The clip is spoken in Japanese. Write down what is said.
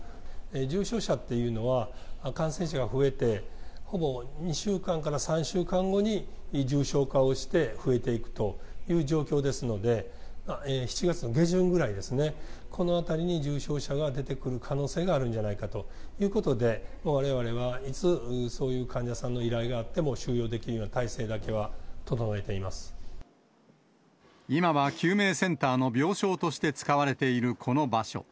重症者っていうのは、感染者が増えて、ほぼ２週間から３週間後に重症化をして増えていくという状況ですので、７月の下旬ぐらいですね、このあたりに重症者が出てくる可能性があるんじゃないかということで、われわれは、いつそういう患者さんの依頼があっても収容できるような体制だけ今は救命センターの病床として使われているこの場所。